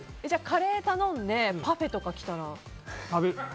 カレーを頼んでパフェとか来たら。